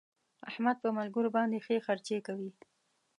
احمد په ملګرو باندې ښې خرڅې کوي.